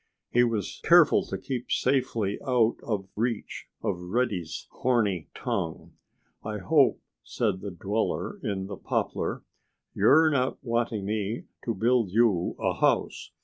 He was careful to keep safely out of reach of Reddy's horny tongue. "I hope," said the dweller in the poplar, "you're not wanting me to build you a house.